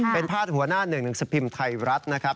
เป็นภาษาหัวหน้าหนึ่งสปิมไทยรัฐนะครับ